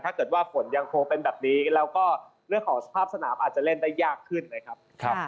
ถ้าเกิดว่าฝนยังคงเป็นแบบนี้แล้วก็เรื่องของสภาพสนามอาจจะเล่นได้ยากขึ้นนะครับ